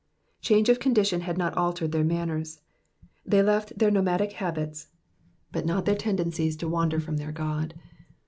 '''* Change of condition had not altered their manners. They left their nomadic habits, but not their tendencies to wander from their God.